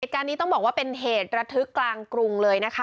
การนี้ต้องบอกว่าเป็นเหตุระทึกกลางกรุงเลยนะคะ